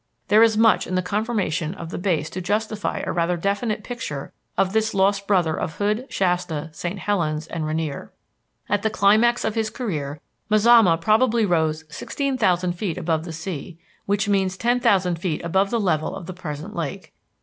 There is much in the conformation of the base to justify a rather definite picture of this lost brother of Hood, Shasta, St. Helens, and Rainier. At the climax of his career, Mazama probably rose sixteen thousand feet above the sea, which means ten thousand feet above the level of the present lake.